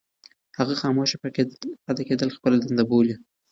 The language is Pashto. هغه خاموشه پاتې کېدل خپله دنده بولي.